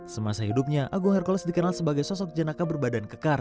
semasa hidupnya agung hercules dikenal sebagai sosok jenaka berbadan kekar